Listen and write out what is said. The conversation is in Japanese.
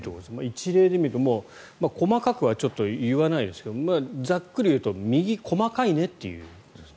一例で見ると細かくは言わないですけどざっくりいうと右細かいねということです。